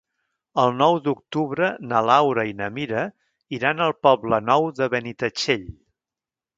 El nou d'octubre na Laura i na Mira iran al Poble Nou de Benitatxell.